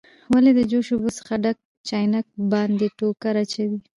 ولې د جوش اوبو څخه ډک چاینک باندې ټوکر اچوئ؟